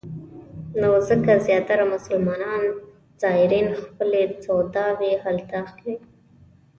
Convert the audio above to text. نو ځکه زیاتره مسلمان زایرین خپلې سوداوې هلته اخلي.